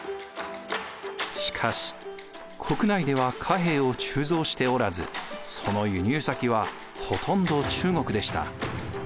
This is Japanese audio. しかし国内では貨幣を鋳造しておらずその輸入先はほとんど中国でした。